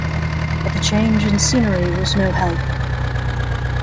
But the change in scenery was no help.